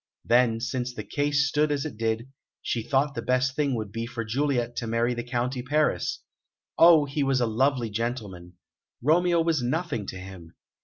Then, since the case stood as it did, she thought the best thing would be for Juliet to marry the County Paris. Oh, he was a lovely gentleman! Romeo was nothing to him!